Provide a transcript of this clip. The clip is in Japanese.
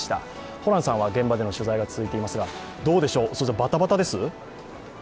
ホランさんは現場での取材が続いてますが、バタバタです？